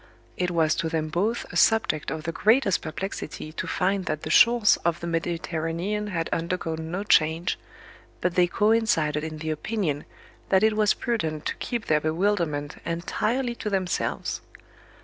It was to them both a subject of the greatest perplexity to find that the shores of the Mediterranean had undergone no change, but they coincided in the opinion that it was prudent to keep their bewilderment entirely to themselves.